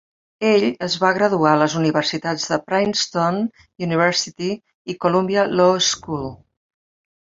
Ell es va graduar a les universitats de Princeton University i Columbia Law School.